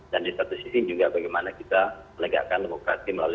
dan di satu sisi juga bagaimana kita menegakkan demokrasi melalui pilkada ini